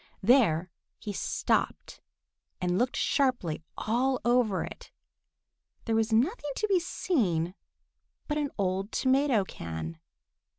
There he stopped and looked sharply all over it. There was nothing to be seen but an old tomato can.